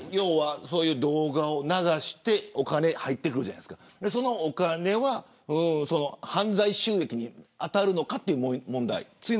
動画を流してお金が入ってくるそのお金は犯罪収益に当たるのかという問題。